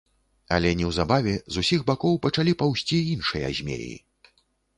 Але неўзабаве з усіх бакоў пачалі паўзці іншыя змеі.